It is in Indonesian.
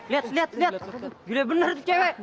lihat lihat bahkan bener cewek